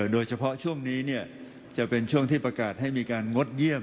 โดยเฉพาะช่วงนี้จะเป็นช่วงที่ประกาศให้มีการงดเยี่ยม